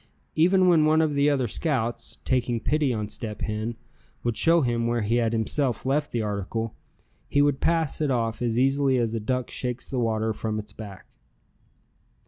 Even when one of the other scouts, taking pity on Step Hen, would show him where he had himself left the article, he would pass it off as easily as a duck shakes the water from its back.